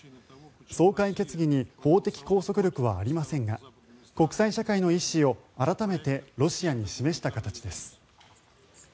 総会決議に法的拘束力はありませんが国際社会の意思を改めてロシアに示した形です。